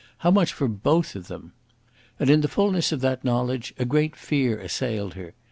How much for both of them! And in the fullness of that knowledge a great fear assailed her.